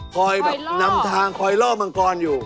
คอยแบบนำทางคอยล่อมังกรอยู่